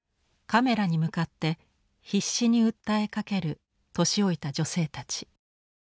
カメラに向かって必死に訴えかける年老いた女性たち。